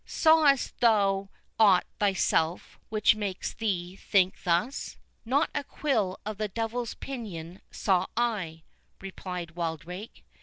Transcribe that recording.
"Sawest thou aught thyself, which makes thee think thus?" "Not a quill of the devil's pinion saw I," replied Wildrake.